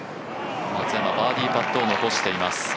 松山、バーディーパットを残しています。